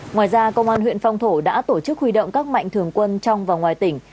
ngoài ra công an huyện phong thổ đã tổ chức huy động các mạnh thường quân trong và ngoài tỉnh